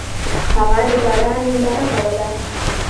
هغه د باران ننداره کوله.